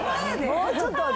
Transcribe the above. もうちょっと。